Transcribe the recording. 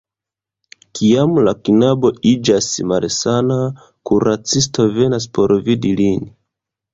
Kiam la knabo iĝas malsana, kuracisto venas por vidi lin.